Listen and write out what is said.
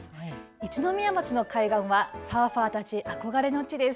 一宮町の海岸はサーファーたち憧れの地です。